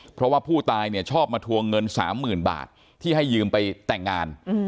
เพราะว่าผู้ตายเนี่ยชอบมาทวงเงิน๓๐๐๐บาทที่ให้ยืมไปแต่งงาน